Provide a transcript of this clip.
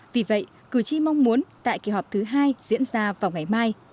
vì vậy cử tri mong muốn tại kỳ họp thứ hai diễn ra vào ngày mai